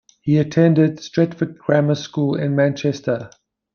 He attended Stretford Grammar School in Manchester.